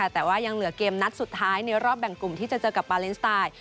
แต่ว่ายังเหลือเกมนัดสุดท้ายในรอบแบ่งกลุ่มที่จะเจอกับปาเลนสไตล์